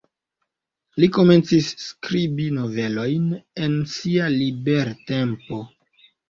Li komencis skribi novelojn en sia libertempo.